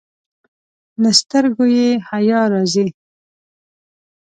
له سترګو یې حیا راځي.